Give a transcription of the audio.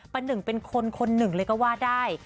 หนึ่งเป็นคนคนหนึ่งเลยก็ว่าได้